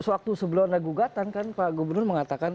ya suatu sebelum ada gugatan kan pak gubernur mengatakan